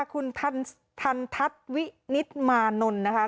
คุณทันทัศน์วินิตมานนท์นะคะ